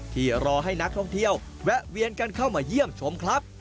รอให้นักท่องเที่ยวแวะเวียนกันเข้ามาเยี่ยมชมครับ